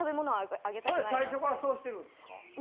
それ最初からそうしてるんですか？